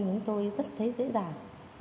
chúng tôi rất thấy dễ dàng